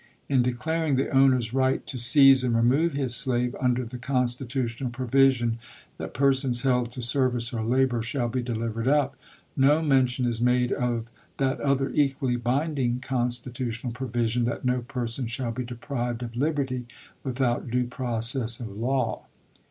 In declaring the owner's right to seize and remove his slave under the constitutional provision that persons held to service or labor " shall be delivered up," no mention is made of that other equally binding constitutional provision, that no person shall be deprived of liberty without due process of law.